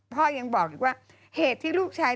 พ่อยังบอกอีกว่าเหตุที่ลูกชาย